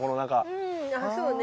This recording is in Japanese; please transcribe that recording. うんあそうね。